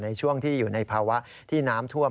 ในช่วงที่อยู่ในภาวะที่น้ำท่วม